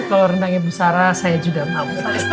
kalau rendang ibu sarah saya juga mau